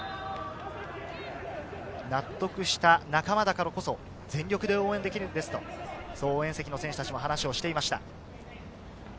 納得した仲間だからこそ全力で応援できるんですと、応援席の選手たちも話をしていました。